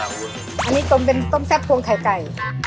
อันนี้ต้มเป็นต้มแซ่บพวงไข่ไก่